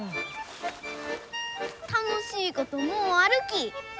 楽しいこともうあるき。